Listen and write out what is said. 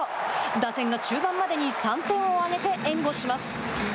打線が中盤までに３点を挙げて援護します。